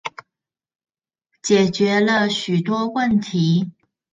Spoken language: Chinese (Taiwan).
解決了許多問題